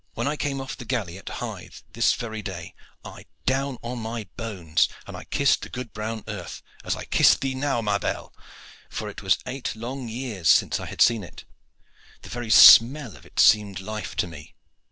When I came off the galley at Hythe, this very day, I down on my bones, and I kissed the good brown earth, as I kiss thee now, ma belle, for it was eight long years since I had seen it. The very smell of it seemed life to me.